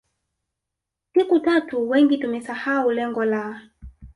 siku watu wengi tumesahau lengo la